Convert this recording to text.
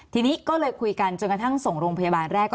ทีนี้ก็เลยคุยกันจนกระทั่งส่งโรงพยาบาลแรก